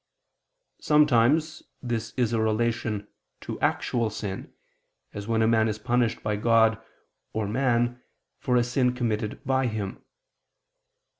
Sometimes this is a relation to actual sin, as when a man is punished by God or man for a sin committed by him.